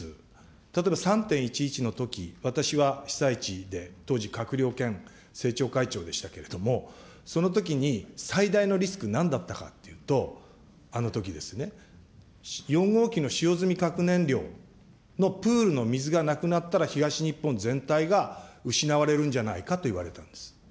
例えば３・１１のとき、私は被災地で、当時、閣僚兼政調会長でしたけれども、そのときに最大のリスクなんだったのかというと、あのときですね、４号機の使用済み核燃料のプールの水がなくなったら東日本全体が失われるんじゃないかといわれたんです。